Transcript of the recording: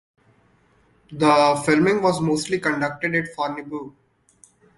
The filming was mostly conducted at Fornebu.